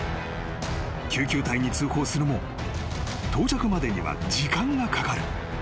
［救急隊に通報するも到着までには時間がかかる］